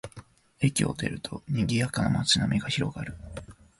駅を出ると、にぎやかな街並みが広がる